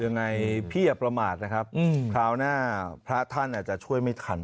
ยังไงพี่อย่าประมาทนะครับคราวหน้าพระท่านอาจจะช่วยไม่ทัน